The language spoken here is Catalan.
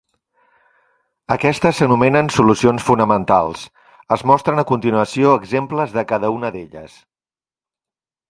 Aquestes s'anomenen solucions "fonamentals"; es mostren a continuació exemples de cada una d'elles.